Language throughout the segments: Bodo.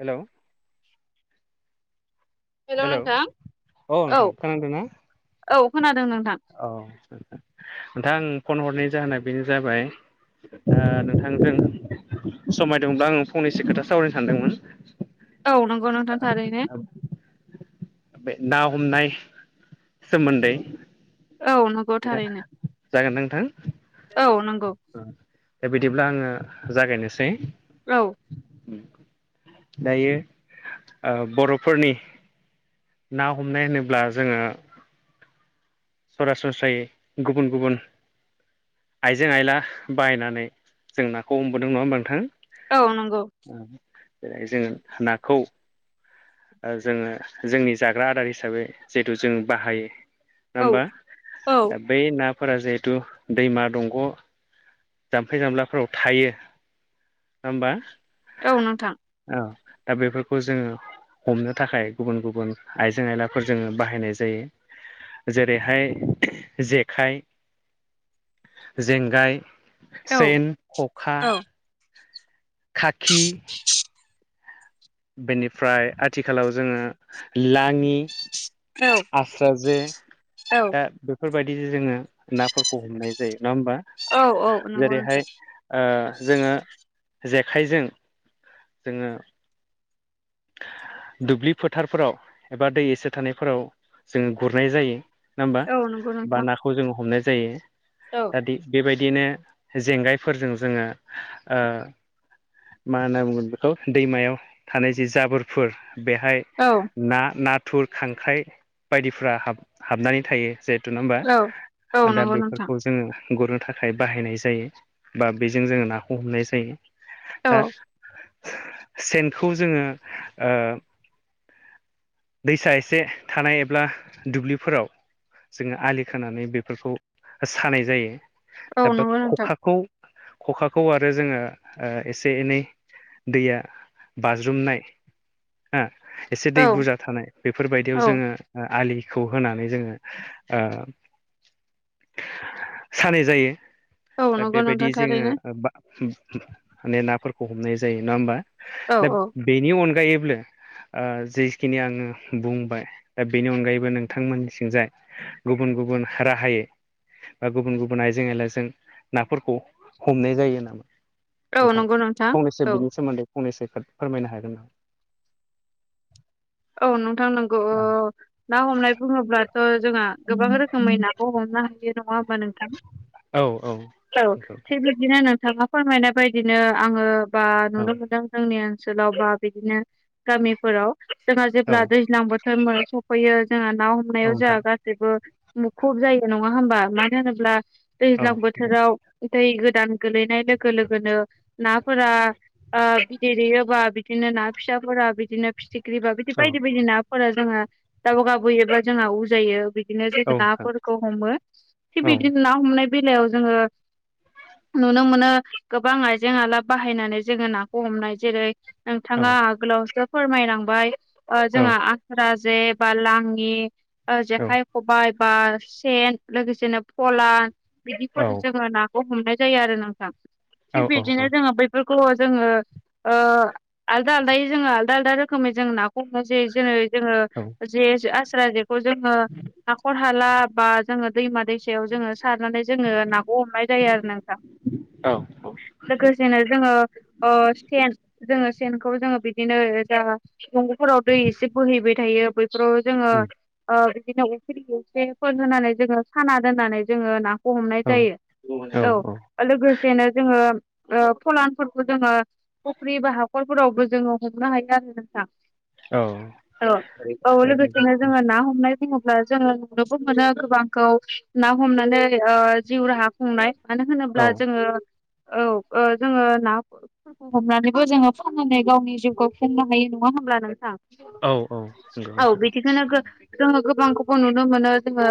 हेलौ हेल' हेलौ नोंथां औ औ नोंथां खोनादों ना? औ खोनादों नोंथां ओ नोंथां आं फन हरनाय जाहोना बेनो जाबाय ओ नोंथांजों समायदोंब्ला आं फंनैसो खोथा सावरायनो सानदोंमोन। औ नंगौ नोंथां थारैनो बे ना हमनाय सोमोन्दै औ नु था जागोनदां नोंथां? औ नंगौ ‌। ओ दा बिदिब्ला आङो जागायनोसै। औ। ओम दायो ओ बर'फोरनि ना हमनाय होनोब्ला जोङो सरासनस्रायै गुबुन गुबुन आइजें आइला बाहायनानै जों नाखौ हमबोदों नङा होमबा नोंथां? औ नंगौ। ओ जेरै जोङो नाखौ ओ जोङो जोंनि जाग्रा आदार हिसाबै जिहेथु जों बाहायो नङा औ होमबा औ दा बै नाफोरा जिहेथु दैमा दंग' जाम्फै जामलाफोराव थायो नङा होमबा? औ नोंथां। औ दा बेफोरखौ जोङो हमनो थाखाय गुबुन गुबुन आइजें आयलाफोर जोङो बाहायनाय जायो। जेरैहाय जेखाइ जेंगाय औ सेन खखा औ खाखि बेनिफ्राय आथिखालाव जोङो लाङि औ। आस्रा जे औ। बेफोरबायाददि जोङो नाफोरखौ हमनाय जायो नङा होमबा? औ औ नंगौ नोंथां जेरैहाय ओ जोङो जेखाइजों जोङो दुब्लि फोथारफोराव एबा दै एसे थानायफोराव जोङो गुरनाय जायो। नङा होमबा? औ नंगौ नोंथां बा नाखौ जोङो हमनाय जायो। औ। दा दि बेबायदिनो जेंगायफोरजों जोङो ओ मा होनना बुंगोन बेखौ दैमायाव थानाय जि जाबोरफोर बेहाय औ। ना नाथुर खांख्राइ बायदिफ्रा हाब हाबनानै थायो जे थुर ना होमबा? औ औ दा नंगौ नोंथां बेफोरखौ जोङो गुरनो थाखाय बाहायनाय जायो बा बेजों जोङो नाखौ हमनाय जायो। औ ओ सेनखौ जोङो ओ दैसा एसे थानाय एब्ला दुब्लिफोराव जोङो आलि खोनानानै बेफोरखौ सानाय जायो औ एबा नंगौ नोंथां खखाखौ खखाखौ आरो जोङो ओ एसे एनै दैया बाज्रुमनाय हो एसे दै औ बुरजा थानाय बेफोरबायदियाव औ जोङो आलिखौ होनानै जोङो ओ सानाय जायो औ दा नंगौ बेबायदि नोंथां जोङो थारैनो माने नाफोरखौ हमनाय जायो नङा होनबा औ दा औ बेनि अनगायैब्लो ओ जिस दिनै आङो बुंबाय दा बेनि अनगायैबो नोंथांमोननिथिंजाय गुबुन गुबुन राहायै बा गुबुन गुबुन आइजें आइला जों नाफोरखौ हमनाय जायो नामा औ नोंथां नंगौ फंनैसो औ बिनि सोमोन्दै फंनैसो फोरमायनो हागोन नामा? औ नोंथां नंगौ। ओ नामा ना हमनाय बुङोब्लाथ' जोंहा गोबां रोखोमै नाखौ हमनो हायो नङा नंङा होनबा नोंथां? औ औ औ नंगौ थिग बि बिदिनो नोंथाङा फोरमायनाय बायदिनो आङो बा औ नुनो मोनदों जोंनि ओनसोलाव बा बिदिनो गामिफोराव जोंहा औ जेब्ला दैज्लां बोथोर समबो सफैयो जोंहा ना औ हमनायाव जोंहा नोंथां गा जेबो मुखुब जायो नङा होनबा मानो होनोब्ला औ दैज्लां बोथोराव दै गोदान गोलैनाय लोगो लोगोनो नाफोरा ओ बिदै दैयोबा बिदिनो ना फिसाफोरा बिदिनो फिथि ख्रिबा बिदि बायदि बायदि नाफोरा जोङो दा़व गाबोयोबा जोंहा उजायो बिदिनो औ जोङो नोंथां नाफोरखौ हमो थिग औ बिदिनो ना हमनाय बेलायाव जोङो नुनो मोनो गोबां आइजें आलाब बाहायनानै जोङो नाखौ हमनाय जेरै औ नोंथाङा आगोलावसो फोरमायलांबाय औ जोंहा आस्रा जे बा लाङि औ जेखाइ खबाय बा सेन लोगोसेनो फला बिदिफोर जोङो नाखौ हमनाय जायो आरो नोंथां थिग औ बिदिनो जोङो बै फोर जोङो ओ आलदा आलदायै जोङो आलदा आलदा रो रोखोमै जों नाखौ हमो ज जेरै जोङो जे आस्रा जेखौ जोङो हाखर हाला बा जोङो दैमा दैसायाव जोङो सारनानै जोङो नाखौ हमनाय जायो आरो नोंथां औ लोगोसेनो जोङो ओ सेन जोङो सेनखौ जोङो बिदिनो जा दंग'फोराव दै एसे बोहैबाय थायो बैफोराव जोङो ओ बिदिनो अखि एसेफोर होननानै जोङो साना दोननानै जोङो ना हमनाय औ जायो औ लोगोसेनो जोङो फलानफोरखौ जोङो फुख्रि बा हाख'रफोरावबो जोङो हमनो हायो औ आरो औ औ बेबायदि लोगोसेनो जोङो ना हमनाय बुङोब्ला जोङो नुनोबो मोनो गोबांखौ ना हमनानै जिउ राहा बुंनाय मानो औ होनोब्ला जोङो औ जोङो नाफोरखौ हमनानैबो जोङो फाननानै गावनि जिउखौ खुंनो हायो न ना होनोमब्ला नोंथां औ औ नंगौ औ नोंथां बिदिखौनो जोङो गोबां गोबाव नुनो मोनो जोङो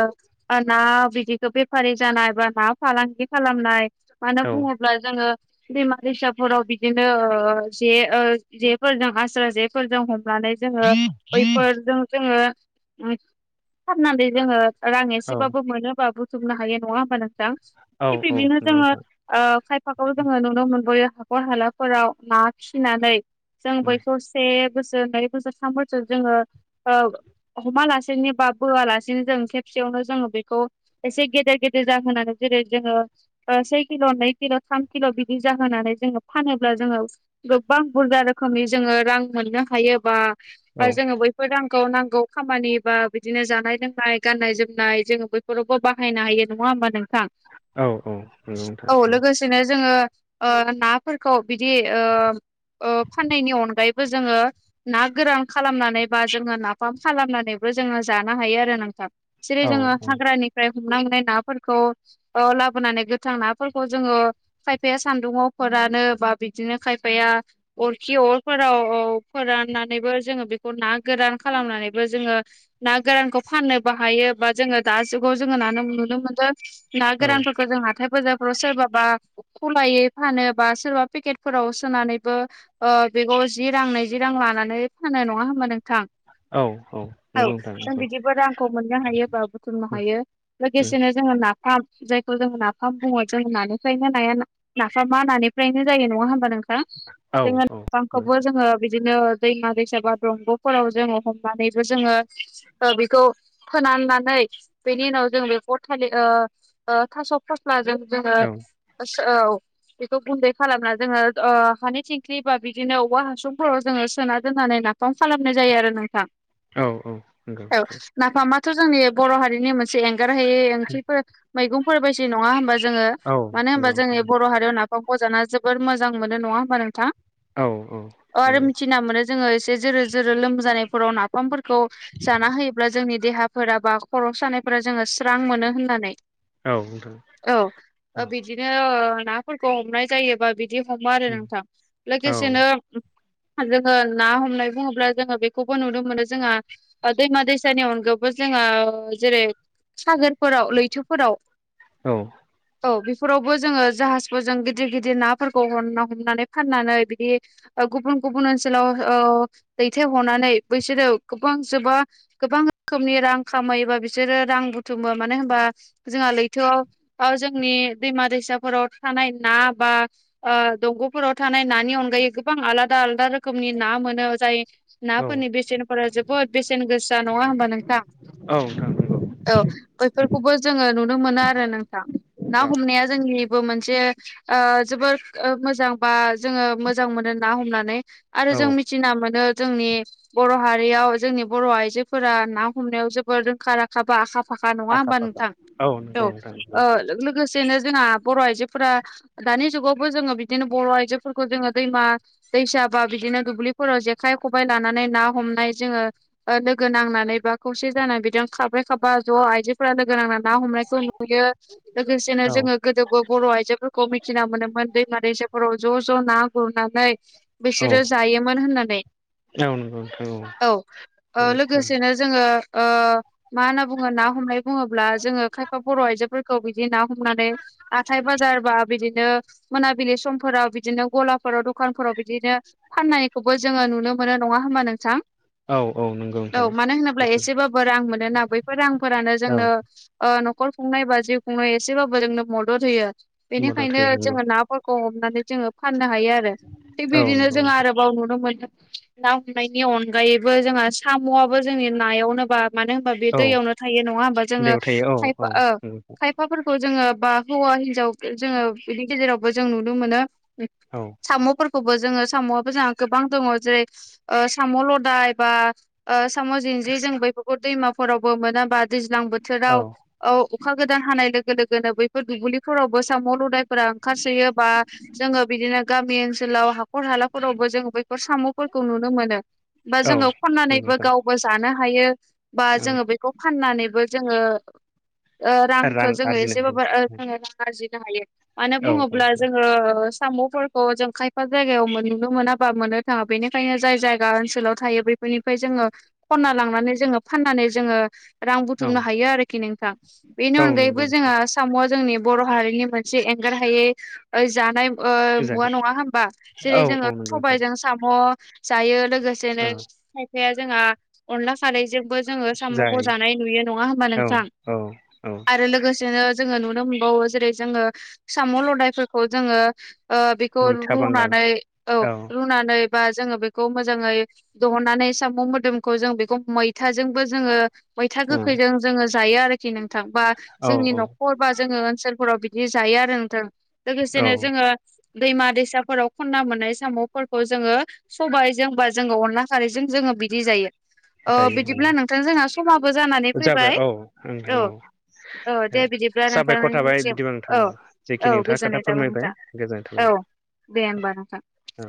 ना बिदिखौ बेफारि जानाय बा ना फालांगि खालामनाय मानो औ बुङोब्ला जोङो बेमा दैसाफोराव बिदिनो जे जेफोरजों आस्रा जे फोरजों हमनानै जोङो बैफोरजों जोङो उम सारनानै जोङो रां एसेबाबो मोनोबाबो जुमनो हायो नङा होमबा नोंथां औ थि औ बिदिनो नंगौ जोङो नोंथां ओ खायफाखौ जोङो नुनो मोनबोयो हाखर हालाफोराव ना खिनानै जों बैखौ से बोसोर नै बोसोर थाम बोसोर जोङो ओ हमालासेनो बा बोआलासेनो जों खेबसेयावनो जोङो बेखौ एसे गेदेर गेदेर जाहोनानै जेरै जोङो से किल' नै किल' थाम किल' बिदि जाहोनानै जोङो फानोब्ला जोङो गोबां बुरजा रोखोमनि जोङो रां मोननो हायोबा बा जोङो बै नांगौ नांगौ खामानि बा बिदिनो जानाय लोंनाय गाननाय जोमनाय जोङो बो बेवबो बाहायनो हायो नङा होमबा नोंथां? औ औ नंगथार औ। जोङो ओ-नाफोरखौ बिदि ओ-फाननायनि अनगायै जोङो ना गोरान खालामनानै बा जोङो नाफाम खालामनानैबो जोङो जानो हायो आरो नोंथां। जेरै औ जोङो हाग्रानिफ्राय हमना मोननाय नाफोरखौ। औ लाबोनानै गोथां नाफोरखौ जोङो। खायफाया सान्दुङाव फोरानो बा बिदिनो खायफाया अरखि अरफोर राव औ फोराननानैबो जोङो बेखौ ना गोरान खालामनानैबो जोङो ना गोरानखौ फाननोबो हायो बा जोङो दा जुगाव जोङो न नुनो मोनो। ना औ गोरानफोरखौ जों हाथायफोर सोरबाबा खलायै फानो बा सोरबा पेकेटफोराव सोनानैबो ओ बेगखौ जि रां नैजि रां लानानै फानो नङा होमा नोंथां औ औ नंगौ नोंथां जों नंगौ बिदिबो रांखौ मोननो हायो बा बुथुमनो उम हायो उम लोगोसेनो जोङो नाफाम जायखौ जोङ नाफाम बुङो जोङो नानिफ्रायनो ना नाफामा नानिफ्रायनो जायो नङा होमबा नोंथां। औ औ नंगौ दामखौबो जोङो बिदिनो। दैमा दैसा बा दंगफोराव जोङो हमनानैबो जोङो बेखौ। फोनाननानै बेनि उनाव जों बेखौ थालि थास फस्ला जों जोङो औ औ बेखौ गुन्दै खालामना जोङो ओ-हानि थिंख सोरबा बिदिनो औवा हासुंफोराव जोङो सोना दोननानै नाफाम खालामनाय जायो आरो नोंथां। औ नंगौ औ नोंथां नाफामाथ जोंनि बर हारिनि मोनसे एंगारहायै ओंख्रिफोर मैगंफोर बायसि नङा होनोमबा जोङो औ मानो होनबा नंगौ नोंथां जोंनि बर हारियाव ना बजाना जोबोर मोजां मोनो नङा होमबा नोंथां। औ औ आरो नंगौ मिथिना मोनो जोङो एसे जोरो जोरो लोमजानायफोराव नाफामफोरखौ खौ जाना होयोब्ला जोंनि देहाफोरा बा खर‌ सानायफोरा जोङो स्रां मोनो होननानै। औ नोंथां औ बिदिनो नाफोरखौ हमनाय जायोबा बिद बिदि हामो आरो उम नोंथां औ लोगोसेनो। जोङो ना हमनाय बुङोब्ला जोङो बेखौबो नुनो मोनो जोंहा आदै मादैसानि अनगाबो जोङो जेरै सागोरफोराव लैथोफोराव। औ औ बेफोरावबो जोङो जाहाफैरजों गिदिर गिदिर नाफोरखौ हमना हमनानै फानानै बिदि गुबुन गुबुन ओनसोलाव ओ-दैथायहरनानै बैसोरो गोबां जोबा गोबां रोखोमनि रां खामायोबा बिसोरो रां बुथुमो मानो होनबा। जोंहा लैथोआव जोंनि दैमा दैसाफोराव थानाय ना बा दंगफोराव थानाय नानि अनगायै गोबां आलादा आलादा रोखोमनि ना मोनो जाय औ नाफोरनि बेसेनफोरा जोबोद बेसेन गोसा नङा हबा नोंथां। औ नोंथां नंगौ औ बैफोरखौबो जोङो नुनो मोनो आरो नोंथां। ना औ हमनाया जोंनिबो मोनसे ओ-जोबोर मोजां बा जोङो मोजां मोनो ना हमनानै आरो जों औ मिथिना मोनो जोंनि। बर हारियाव जोंनि बर आइजोफोरा ना हमनायाव जोबोर रोंखा राखा बा आखा फा नङा आखा होमबा फाखा नोंथां औ नंगौ नोंथां नंगौ लोगो लोगो लोगोसेनो जोंहा बर आइजोफोरा दानि जुगावबो जोङो बिदिनो बर आइजोफोरखौ। खौ जोङो दैमा दैसा बा बिदिनो दुब्लिफोराव जेखाइ खबबाय लानानै ना हमनाय जोङो। लोगो नांनानै बा खौसे जानानै बिदि खारब्रै खाबा ज आइजोफोरा लोगो नांना ना हमनायखौ। नुयो। लोगोसेनो औ जोंङो गोदोबो बर' आइजोफोरखौ मिथिना मोनोमोन दैमा दै [unintelligible] ज' ज' ना गुरनानै बिसोरो जायोमोन होननानै औ नंगौ नोंथां औ औ लोगोसेनो जोंङो मा होनना बुङो ना हमनाय बुङोब्ला जोंङो खायफा बर' आइजोफोरखौ बिदि ना नानै हाथाय बाजार बा बिदिनो मोनाबिलि समफोराव बिदि बिदिनो गलाफोराव दखानफोराव बिदिनो फाननायखौबो जोंङो नुनो मोनो नङा होमबा नोंथां। औ औ नंगौ औ नोंथां मानो होनोब्ला बेफोर एसेबाबो रां मोनोना बैफोर रांफोरानो औ जोंनो ओ न'खर खुंनाय बा जिउ खुंनाय एसेबाबो जोंनो मदद होयो। मदद बेनिखायनो होयो नंगौ जोंङो नाफोरखौ नानै जोङो फाननो हायो आरो थिग औ बिबदिनो नंगौ जों नोंथां आरोबाव नुनो मोनो। ना हमनायनि अनगायैबो जोंहा सामआबो जोंनि नायावनो बा मानो होन बे औ दैयावनो थायो नङा हबा जोङो दैयाव थायो औ औ खायफा नंगौ खाय फोरखौ जोङो बा हौवा हिनजाव जोङो बिनि गेजेरावबो जों नुनो मोनो। औ सामफोरखौबो जोङो सायआबो जोंहा गोबां दङ जेरै साम लदाय बा ओ-साम जिन्ज्रि जों बैफोरखौ दैमाफोरावबो मोनाबा दैज्लां बोथोराव। औ अखा गोदान हानाय लोगो लोगोनो बैफोर दुब्लिफोरावबो साम लदायफोरा ओंखारसोयो। आ जोंङो बिदिनो गामि ओनसोलाव ह हर हालाफोरावबो जोंङो बैफोर साम'फोरखौ नुनो मोनो। बा औ जोंङो नंगौ खननानैबो नोंथां गाव बो जानो हायो। बा औ जोंङो बेखौ फाननानैबो जोंङो ओ रां रांखौ जोंङो आरजिनो एसेबाबो ओ हायो जोंङो रां आरजिनो हायो मानो औ बुङो औ ओ साम'फोरखौ जों खायफा जायगायाव मोन नुनो मोनाबा मोननो थाङा। बेनिखायनो जाय जायगा ओनसोलाव थायो बेफोरनिफ्राय जोंङो खनना लांनानै जोंङो फाननानै जोंङो रां औ बुथुमनो हायो आरोखि नोंथां। बेनि औ अनगायैबो नंगौ नोंथां जोंहा साम'आ जोंनि बर' हारिनि मोनसे एंगार हायै ओ जानाय ओ मुवा जागोन नङा होमबा। जेरै औ जोंङो औ नंगौ नोंथां सबाइजों साम' जायो लोगोसेनो औ खायफाया जोंहा अनला खारैजों बो जोंङो साम'खौ जायो जानाय नुयो। नङा होमबा औ नोंथां? औ औ आरो लोगोसेनो जोंङो नुनो मोनबावो। जेरै जोंङो साम' लदायफोरखौ जोंङो ओ बेखौ मैथा बांगाल रुनानै औ रुनानै बा जोंङो बेखौ मोजांङै दोहननानै साम' मोदोमखौ जों बेखौ मैथाजोंबो जोंङो मैथा औ गोखैजों जोंङो जायो आरोखि नोंथां। बा औ जोंनि औ न'खर बा जोंङो ओनसोलफोराव बिदि जायो आरो नोंथां औ लोगोसेनो जोंङो दैमा दैसाफोराव खन्ना मोननाय साम'फोरखौ जोंङो सबायजों बा जोंङो अनला खारैजों जोंङो बिदि जायो। ओ जायो बिदिब्ला नोंथां जोंहा समाबो जानानै औ जाबाय फैबाय औ नोंथां औ। ओ दे बिदिब्ला साबायखर थाबाय नोंथांनानैसिम बिदिबा नोंथां औ। जेखि औ नोंथाङा खोथा गोजोननाय थाबाय फोरमायबाय नोंथां औ दे होमबा नोंथां। ओ।